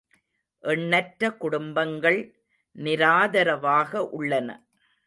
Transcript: எண்ணற்ற குடும்பங்கள் நிராதரவாக உள்ளன.